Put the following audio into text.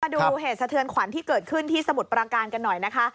ดูเหตุสะเทือนขวัญที่เกิดขึ้นที่สมุทรปราการกันหน่อยนะคะ